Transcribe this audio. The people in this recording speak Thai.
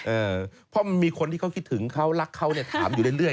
เออเพราะมีคนที่เขาคิดถึงเขารักเขาเนี่ยถามอยู่เรื่อย